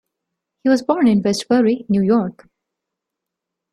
He was born in Westbury, New York.